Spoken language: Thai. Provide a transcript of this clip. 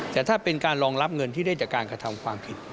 แต่ถ้าเป็นการรองรับเงินที่ได้จากการกระทำความผิด